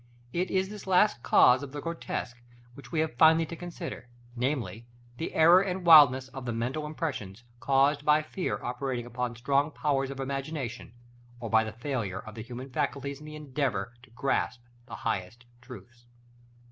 It is this last cause of the grotesque which we have finally to consider; namely, the error and wildness of the mental impressions, caused by fear operating upon strong powers of imagination, or by the failure of the human faculties in the endeavor to grasp the highest truths.